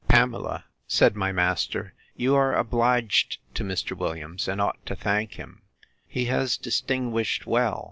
Pamela, said my master, you are obliged to Mr. Williams, and ought to thank him: He has distinguished well.